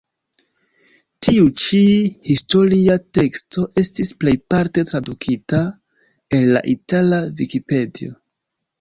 Tiu ĉi historia teksto estis plejparte tradukita el la itala vikipedio.